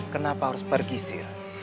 kenapa harus pergi sir